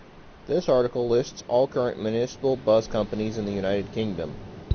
This article lists all current municipal bus companies in the United Kingdom.